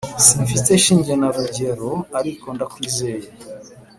Simfite shinge na rugero ariko ndakwizeye